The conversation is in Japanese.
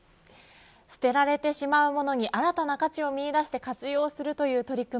捨てられてしまうものに新たな価値を見いだして活用するという取り組み